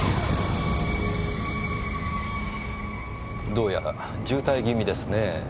どうやら渋滞気味ですねぇ。